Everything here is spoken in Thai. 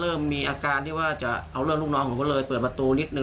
เริ่มมีอาการที่ว่าจะเอาเรื่องลูกน้องผมก็เลยเปิดประตูนิดนึ